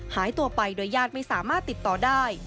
หายตัวไปโดยญาติไม่สามารถติดต่อได้